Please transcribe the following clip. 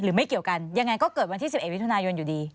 ไม่เกี่ยวกันยังไงก็เกิดวันที่๑๑มิถุนายนอยู่ดี